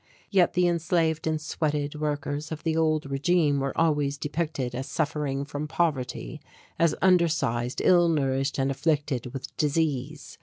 Yet the enslaved and sweated workers of the old regime were always depicted as suffering from poverty, as undersized, ill nourished and afflicted with disease.